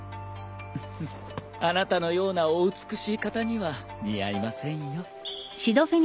フッあなたのようなお美しい方には似合いませんよ。